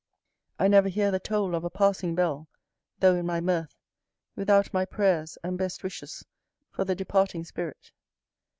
I never hear the toll of a passing bell, though in my mirth, without my prayers and best wishes for the departing spirit.